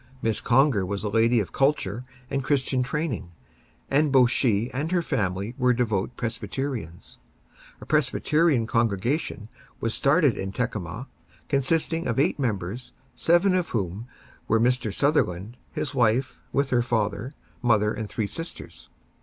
Miss Conger was a lady of culture and Christian training, and both she and her family were devoted Presbyterians. A Presbyterian congregation was started in Tekamah, consisting of eight members, seven of whom were Mr. Sutherland, his wife, with her father, mother and three sisters.